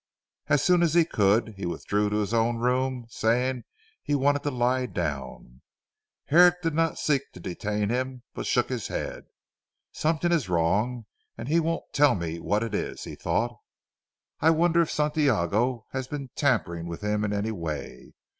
As soon as he could he withdrew to his own room, saying he wanted to lie down. Herrick did not seek to detain him, but shook his head. "Something is wrong and he won't tell me what it is," he thought, "I wonder if Santiago has been tampering with him in any way.